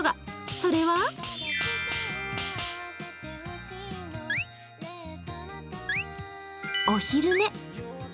それはお昼寝。